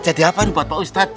jadi apa ini buat pak ustadz